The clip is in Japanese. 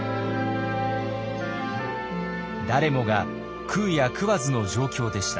誰もが食うや食わずの状況でした。